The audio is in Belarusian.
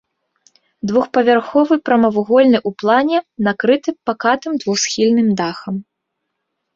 Двухпавярховы прамавугольны ў плане, накрыты пакатым двухсхільным дахам.